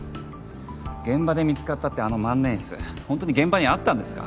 現場で見つかったってあの万年筆ほんとに現場にあったんですか？